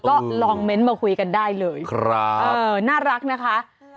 ก็ลองเม้นต์มาคุยกันได้เลยครับเออน่ารักนะคะ